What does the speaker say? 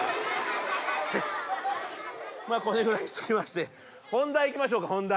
まあこれぐらいにしときまして本題いきましょうか本題。